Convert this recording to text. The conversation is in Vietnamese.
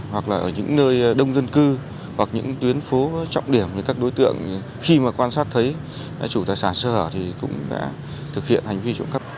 hoặc là ở những nơi đông dân cư hoặc những tuyến phố trọng điểm như các đối tượng khi mà quan sát thấy chủ tài sản sơ hở thì cũng đã thực hiện hành vi trộm cắp